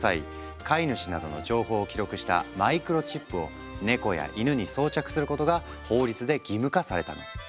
飼い主などの情報を記録したマイクロチップをネコやイヌに装着することが法律で義務化されたの。